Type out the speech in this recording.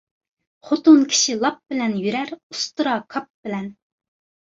خوتۇن كىشى لاپ بىلەن يۈرەر، ئۇستىرا كاپ بىلەن.